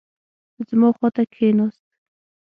زما خوا ته کښېناست.